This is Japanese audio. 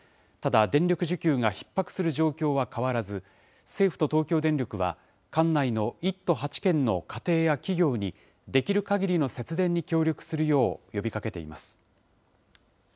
ただ、電力需給がひっ迫する状況は変わらず、政府と東京電力は、管内の１都８県の家庭や企業に、できるかぎりの節電に協力するよう呼びかけています。